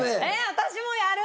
私もやる！